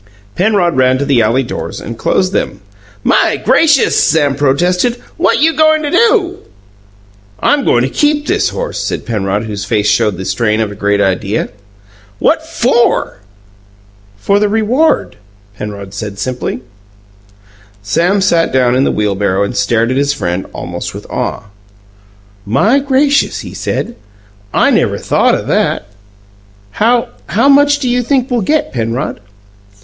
Penrod ran to the alley doors and closed them. "My gracious!" Sam protested. "What you goin' to do?" "I'm goin' to keep this horse," said Penrod, whose face showed the strain of a great idea. "What FOR?" "For the reward," said Penrod simply. Sam sat down in the wheelbarrow and stared at his friend almost with awe. "My gracious," he said, "I never thought o' that! How how much do you think we'll get, Penrod?"